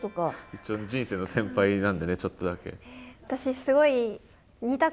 一応人生の先輩なんでねちょっとだけ。